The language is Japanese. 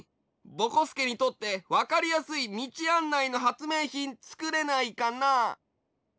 ぼこすけにとってわかりやすいみちあんないのはつめいひんつくれないかな？